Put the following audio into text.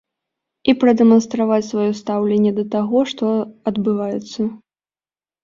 І прадэманстраваць сваё стаўленне да таго, што адбываецца.